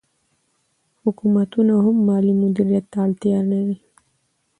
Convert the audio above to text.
حکومتونه هم مالي مدیریت ته اړتیا لري.